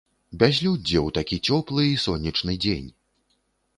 Бязлюддзе ў такі цёплы і сонечны дзень!